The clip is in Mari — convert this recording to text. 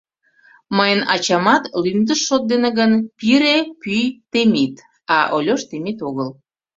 Мыйын ачамат лӱмдыш шот дене гын — Пире пӱй Темит, а Ольош Темит огыл.